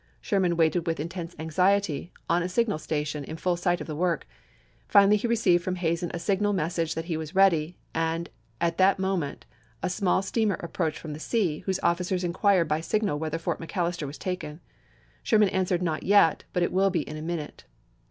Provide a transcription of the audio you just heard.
Sherman waited with in tense anxiety, on a signal station, in full sight of the work ; finally he received from Hazen a signal message that he was ready, and at that moment a small steamer approached from the sea whose officers inquired by signal whether Fort McAllister was taken. Sherman answered, "Not yet; but it will be in a minute."